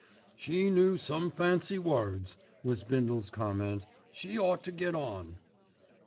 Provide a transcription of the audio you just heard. "She knew some fancy words," was Bindle's comment. "She ought to get on."